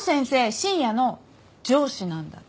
深夜の上司なんだって。